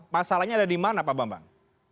masalahnya ada di mana pak bambang